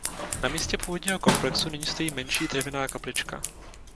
Na místě původního komplexu nyní stojí menší dřevěná kaplička.